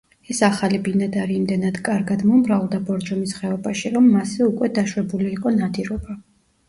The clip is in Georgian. ეს ახალი ბინადარი იმდენად კარგად მომრავლდა ბორჯომის ხეობაში, რომ მასზე უკვე დაშვებული იყო ნადირობა.